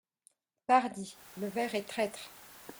Pardi ! le verre est traître.